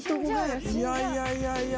いやいやいやいや